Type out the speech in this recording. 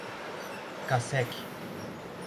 Cacequi